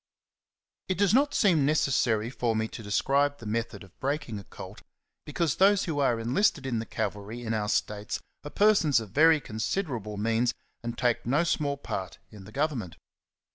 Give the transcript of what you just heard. T T does not seem necessary for me to J describe the method of breaking a colt, because those who are enlisted in the cavalry '^ in our states are persons of very considerable means, and take no small part in the govern ment.